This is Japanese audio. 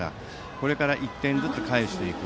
これから１点ずつ返していく。